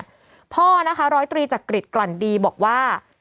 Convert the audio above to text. พ่อนะคะร้อยตรีจักริจกลั่นดีบอกว่า